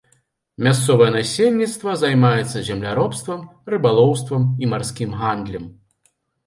Мясцовае насельніцтва займаецца земляробствам, рыбалоўствам і марскім гандлем.